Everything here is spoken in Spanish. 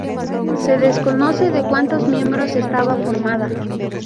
Se desconoce de cuántos miembros estaba formada.